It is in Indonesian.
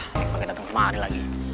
alik pake dateng kemari lagi